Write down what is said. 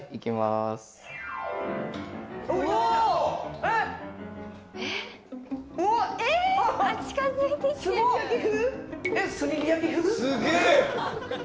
すげえ！